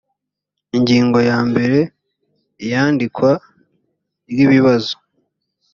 ingingo yambere iyandikwa ry ibibazo